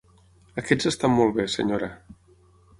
Aquests estan molt bé, senyora.